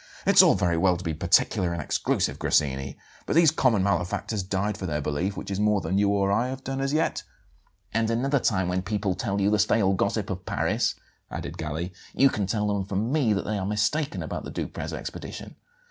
"It's all very well to be particular and exclusive, Grassini; but these 'common malefactors' died for their belief, which is more than you or I have done as yet." "And another time when people tell you the stale gossip of Paris," added Galli, "you can tell them from me that they are mistaken about the Duprez expedition.